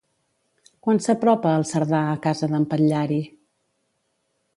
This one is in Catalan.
Quan s'apropa el Cerdà a casa d'en Patllari?